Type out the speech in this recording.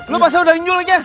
lo masa udah nginjol lagi ya